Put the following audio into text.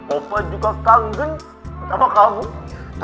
opa juga kangen apa kamu